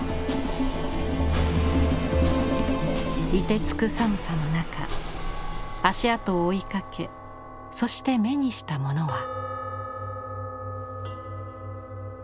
いてつく寒さの中足跡を追いかけそして目にしたものは。